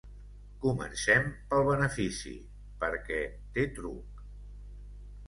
Comencem pel benefici, perquè té truc.